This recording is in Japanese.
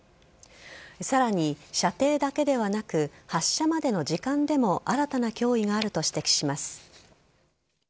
さらに、射程だけではなく発射までの時間でも新たな脅威があると指摘します。